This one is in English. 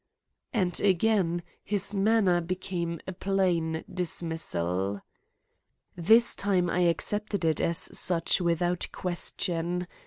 And again his manner became a plain dismissal. This time I accepted it as such without question.